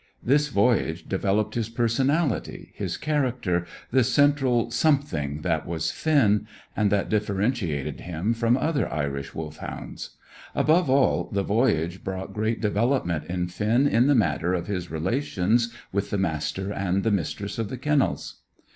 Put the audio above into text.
This voyage developed his personality, his character, the central something that was Finn, and that differentiated him from other Irish Wolfhounds. Above all, the voyage brought great development in Finn in the matter of his relations with the Master and the Mistress of the Kennels.